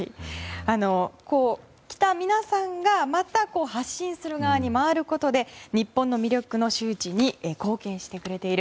来た皆さんがまた発信する側に回ることで日本の魅力の周知に貢献してくれている。